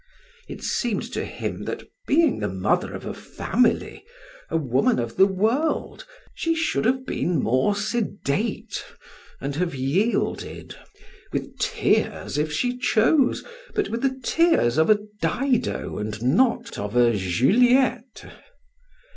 It seemed to him that being the mother of a family, a woman of the world, she should have been more sedate, and have yielded With tears if she chose, but with the tears of a Dido and not of a Juliette.